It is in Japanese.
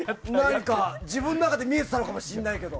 自分の中では見えていたのかもしれないけど。